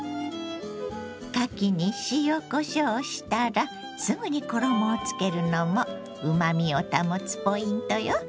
かきに塩こしょうしたらすぐに衣をつけるのもうまみを保つポイントよ。